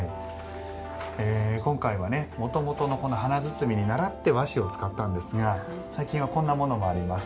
今回はもともとの華包にならって和紙を使ったんですが最近はこんなものもあります。